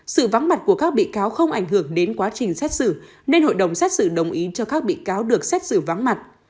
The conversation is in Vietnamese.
sự vắng mặt của các bị cáo không ảnh hưởng đến quá trình xét xử nên hội đồng xét xử đồng ý cho các bị cáo được xét xử vắng mặt